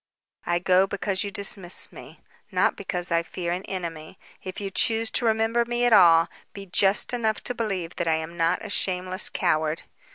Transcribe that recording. "I go because you dismiss me, not because I fear an enemy. If you choose to remember me at all, be just enough to believe that I am not a shameless coward."